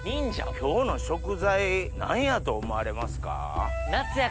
今日の食材何やと思われますか？